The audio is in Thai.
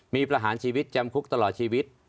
มีประหารชีวิตจำคุกตลอดชีวิต